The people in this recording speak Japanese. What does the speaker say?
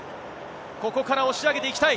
ここから押し上げていきたい。